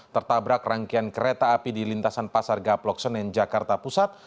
tertabrak rangkaian kereta api di lintasan pasar gaplok senen jakarta pusat